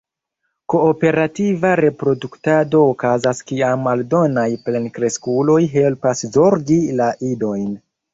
Kooperativa reproduktado okazas kiam aldonaj plenkreskuloj helpas zorgi la idojn.